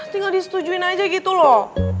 tinggal disetujuin aja gitu loh